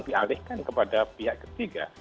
dialihkan kepada pihak ketiga